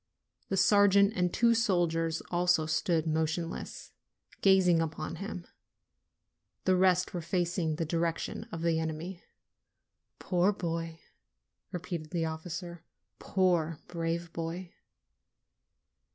The sergeant and two soldiers also stood motionless, gazing upon him. The rest were facing the direction of the enemy. "Poor boy!" repeated the officer. "Poor, brave boy